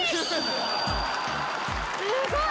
すごい！